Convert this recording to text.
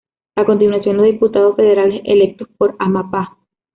A continuación los diputados federales electos por Amapá.